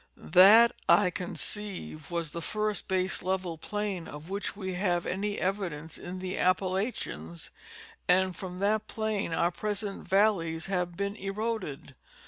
That, 1 conceive, was the first base level plain of which we have any evidence in the Appalachians and from that plain our present valleys have been eroded.